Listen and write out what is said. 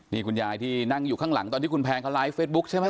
นี่คุณยายที่นั่งอยู่ข้างหลังตอนที่คุณแพงเขาไลฟ์เฟซบุ๊คใช่ไหม